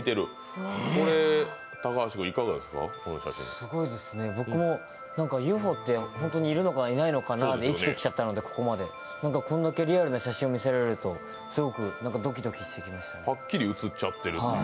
すごいですね、僕もＵＦＯって本当にいるのかないないのかなって生きてきちゃったのでここまで、こんだけリアルな写真を見せられるとすごくドキドキしてきましたね。